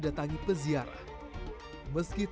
di chadang ini kita sering melihat